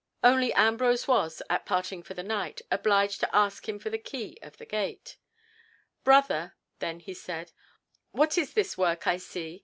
Only Ambrose was, at parting for the night, obliged to ask him for the key of the gate. "Brother," then he said, "what is this work I see?